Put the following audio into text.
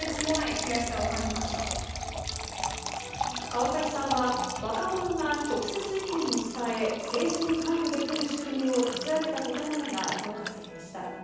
川崎さんは若者が直接意見を伝え政治に関与できる仕組みを立ち上げたことなどが評価されました。